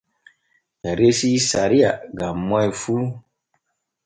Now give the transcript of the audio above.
Ɓe resii sariya gam moy fu.